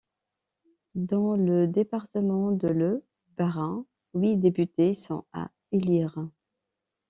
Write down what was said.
Dans le département de le Bas-Rhin, huit députés sont à élire.